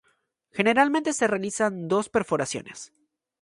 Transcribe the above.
Generalmente se realizan dos perforaciones.